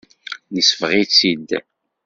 Nesbeɣ-itt-id.